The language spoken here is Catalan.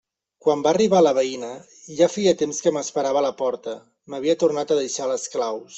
Quan va arribar la veïna, ja feia temps que m'esperava a la porta: m'havia tornat a deixar les claus.